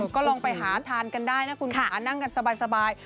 ก็ลองไปหาทานกันได้นะคุณค่ะนั่งกันสบาย